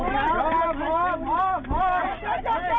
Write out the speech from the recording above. จัดจัดจัดจัด